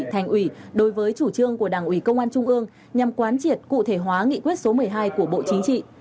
thành ủy đối với chủ trương của đảng ủy công an trung ương nhằm quán triệt cụ thể hóa nghị quyết số một mươi hai của bộ chính trị